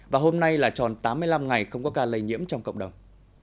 và hôm nay là tròn tám mươi năm ngày không có ca lây nhiễm trong cộng đồng